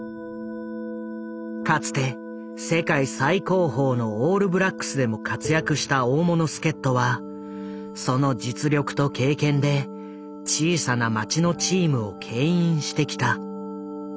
かつて世界最高峰のオールブラックスでも活躍した大物助っとはその実力と経験で小さな町のチームをけん引してきた。